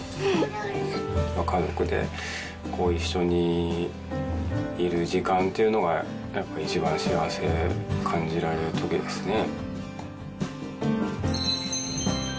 家族で一緒にいる時間っていうのが、やっぱ一番幸せ感じられるときですね。